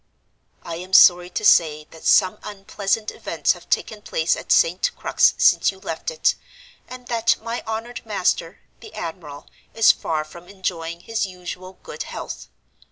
"I am sorry to say that some unpleasant events have taken place at St. Crux since you left it, and that my honored master, the admiral, is far from enjoying his usual good health.